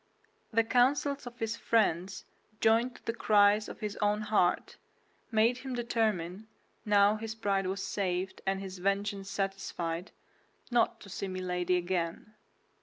The counsels of his friend, joined to the cries of his own heart, made him determine, now his pride was saved and his vengeance satisfied, not to see Milady again.